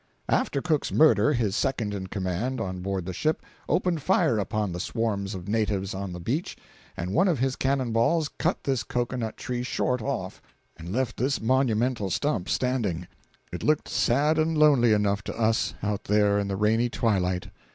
After Cook's murder, his second in command, on board the ship, opened fire upon the swarms of natives on the beach, and one of his cannon balls cut this cocoanut tree short off and left this monumental stump standing. It looked sad and lonely enough to us, out there in the rainy twilight.